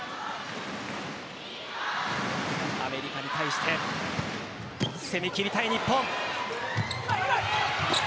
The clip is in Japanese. アメリカに対して攻め切りたい日本。